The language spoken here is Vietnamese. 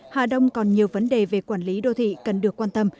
hà đông còn nhiều vấn đề về quản lý đô thị cần được quan tâm